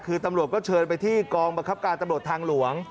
คือตำรวจก็เชิญไปที่กองบังคับการตำรวจทางหลวง